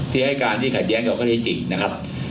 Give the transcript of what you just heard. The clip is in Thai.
ที่ให้การการแย้งเกาะเทศจริงนะครับ